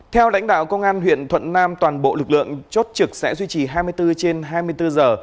theo lãnh đạo công an huyện thuận nam toàn bộ lực lượng chốt trực sẽ duy trì hai mươi bốn trên hai mươi bốn giờ